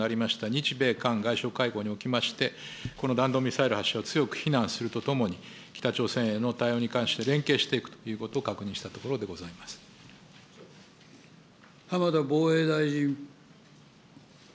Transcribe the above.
日米韓外相会合におきまして、この弾道ミサイル発射を強く非難するとともに、北朝鮮への対応に関して連携していくということを確認したところ浜田防衛大臣。